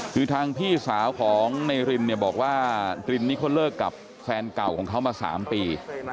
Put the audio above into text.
คือทางพี่สาวของในรินเนี่ยบอกว่ารินนี่เขาเลิกกับแฟนเก่าของเขามา๓ปี